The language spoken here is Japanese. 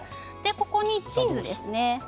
ここにチーズです。